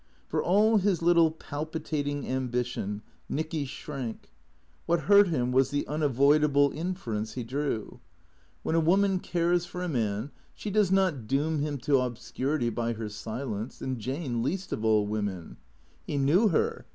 For all his little palpitating ambition, Nicky shrank. What hurt him was the unavoidable inference he drew. When T H E C R E A T 0 E S 189 a woman cares for a man she does not doom him to obscurity by her silence, and Jane least of all women. He knew her.